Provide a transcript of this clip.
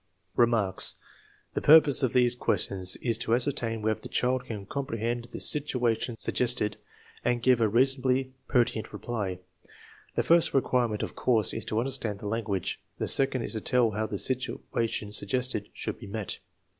Remarks. The purpose of these questions is to ascer tain whether the child can comprehend the situations sug gested and give a reasonably pertinent reply. The first requirement, of course, is to understand the language; the second is to tell how the situation suggested should be met.